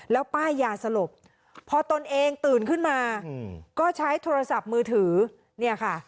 แล้วป้ายยาสลบพอตนเองตื่นขึ้นมาก็ใช้โทรศัพท์มือถือเนี่ยค่ะ